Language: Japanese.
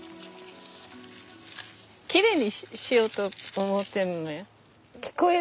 きれいにしようと思ってるのよ。